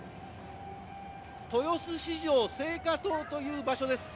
豊洲市場青果棟という場所です。